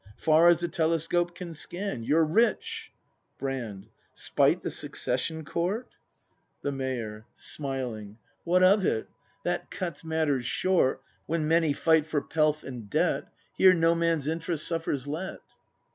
Far as a telescope can scan. You're rich! Brand. 'Spite the Succession Court.* 126 BRAND [act hi The Mayor. [Smiling.] What of it ? That cuts matters short When many fight for pelf and debt. Here no man's interest suffers let.